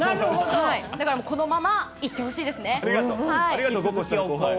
だからもうこのままいってほしいですね。